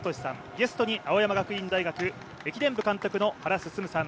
ゲストに青山学院大学駅伝部監督の原晋さん